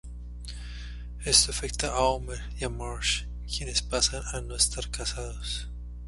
Esto afecta a Homer y a Marge, quienes pasan a no estar casados.